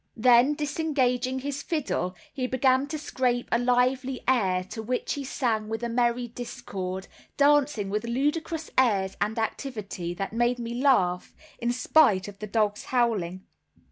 Then, disengaging his fiddle, he began to scrape a lively air to which he sang with a merry discord, dancing with ludicrous airs and activity, that made me laugh, in spite of the dog's howling.